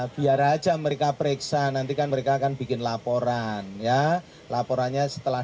biar aja mereka periksa nantikan mereka akan bikin laporan ya laporannya setelah